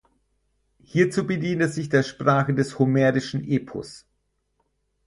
Hierzu bedient er sich der Sprache des homerischen Epos.